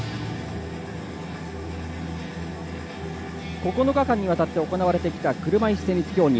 ９日間にわたって行われてきた車いすテニス競技。